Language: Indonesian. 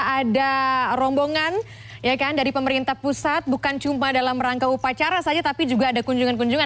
ada rombongan ya kan dari pemerintah pusat bukan cuma dalam rangka upacara saja tapi juga ada kunjungan kunjungan